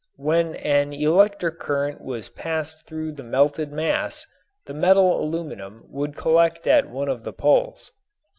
When an electric current was passed through the melted mass the metal aluminum would collect at one of the poles.